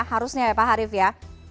harusnya ya pak harif ya